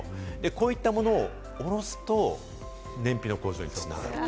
こういったものをおろすと燃費の向上に繋がると。